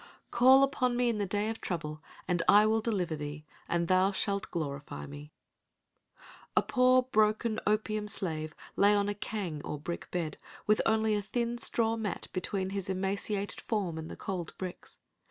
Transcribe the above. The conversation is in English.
* "Call upon me in the day of trouble and I will deliver thee, and thou shalt glorify me." A poor broken opium slave lay on a kang or brick bed with only a thin straw mat between his emaciated form and the cold bricks.